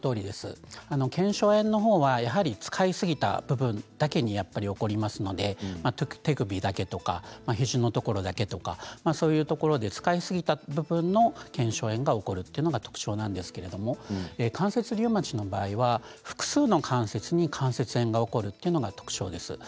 腱鞘炎はやはり使いすぎた部分だけに起こりますので手首だけとか肘のところだけとか使いすぎた部分の腱鞘炎が起こるというのが特徴なんですけれども関節リウマチの場合は複数の関節に関節炎が起こるというのが特徴です。